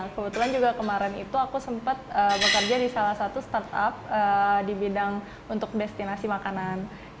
kebetulan juga kemarin itu aku sempat bekerja di salah satu startup di bidang untuk destinasi makanan